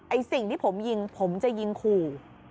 สิ่งที่ผมยิงผมจะยิงขู่